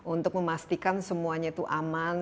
untuk memastikan semuanya itu aman